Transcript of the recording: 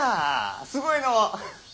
すごいのう。